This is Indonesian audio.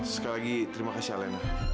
sekali lagi terima kasih allena